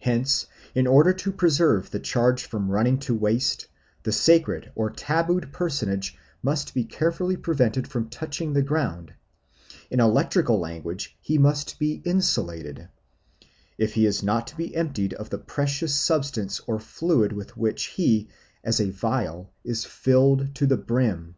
Hence in order to preserve the charge from running to waste, the sacred or tabooed personage must be carefully prevented from touching the ground; in electrical language he must be insulated, if he is not to be emptied of the precious substance or fluid with which he, as a vial, is filled to the brim.